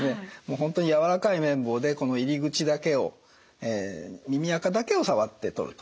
本当に柔らかい綿棒で入り口だけを耳あかだけ触って取ると。